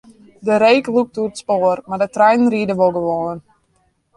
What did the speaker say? De reek lûkt oer it spoar, mar de treinen ride wol gewoan.